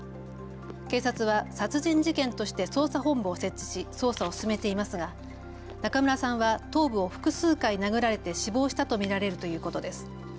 警察は殺人事件として捜査本部を設置し捜査を進めていますが中村さんは頭部を複数回殴られて死亡したと見られるということです。